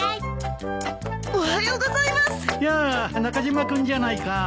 やあ中島君じゃないか。